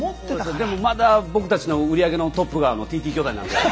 でもまだ僕たちの売り上げのトップがＴＴ兄弟なので。